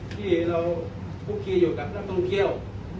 ที่เราคุกคีอยู่กับนักท่องเที่ยว